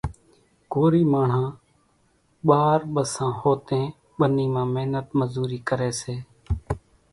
ڪورِي ماڻۿان ٻار ٻسان هوتين ٻنِي مان مينت مزورِي ڪريَ سي۔